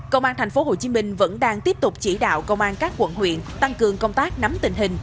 công an thành phố hồ chí minh vẫn đang tiếp tục chỉ đạo công an các quận huyện tăng cường công tác nắm tình hình